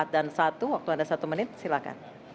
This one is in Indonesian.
dan satu waktu anda satu menit silakan